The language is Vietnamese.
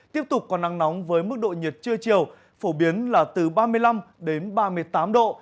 tiếp tục có nắng nóng với mức độ nhiệt trưa chiều phổ biến là từ ba mươi năm đến ba mươi tám độ